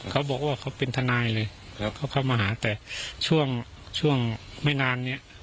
เขาบอกว่าเขาเป็นทนายเลยแล้วเขาเข้ามาหาแต่ช่วงช่วงไม่นานเนี่ย